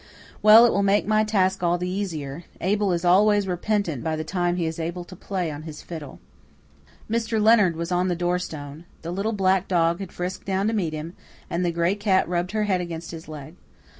Well, it will make my task all the easier. Abel is always repentant by the time he is able to play on his fiddle." Mr. Leonard was on the door stone. The little black dog had frisked down to meet him, and the gray cat rubbed her head against his leg.